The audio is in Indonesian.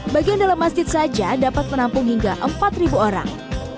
bagian dalam masjid saja dapat menampung hingga empat orang